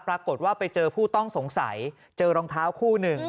ปรากฏว่าไปเจอผู้ต้องสงสัยเจอรองเท้าคู่หนึ่ง